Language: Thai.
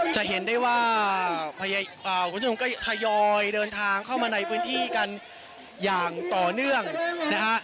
จะเห็นได้ว่าคุณผู้ชมก็ทยอยเดินทางเข้ามาในพื้นที่กันอย่างต่อเนื่องนะฮะ